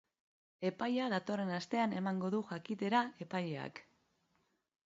Epaia datorren astean emango du jakitera epaileak.